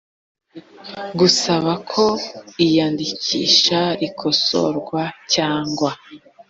gusaba ko iyandikisha rikosorwa cyangwa